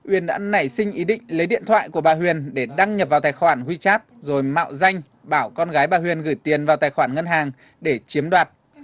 uyên đã nảy sinh ý định lấy điện thoại của bà huyền để đăng nhập vào tài khoản wechat rồi mạo danh bảo con gái bà huyền gửi tiền vào tài khoản ngân hàng để chiếm đoạt